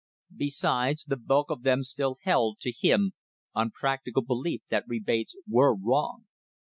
Besides, the bulk of them still held the, to him, unpractical belief that rebates were wrong.